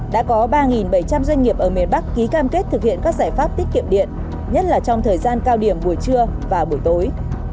đã có ba bảy trăm linh doanh nghiệp ở miền bắc ký cam kết thực hiện các giải pháp tiết kiệm điện nhất là trong thời gian cao điểm buổi trưa và buổi tối